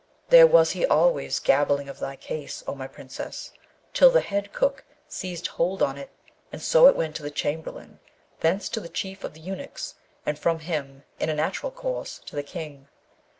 There was he always gabbling of thy case, O my Princess, till the head cook seized hold on it, and so it went to the chamberlain, thence to the chief of the eunuchs, and from him in a natural course, to the King.